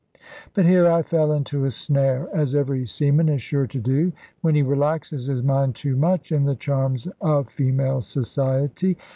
But here I fell into a snare, as every seaman is sure to do when he relaxes his mind too much in the charms of female society.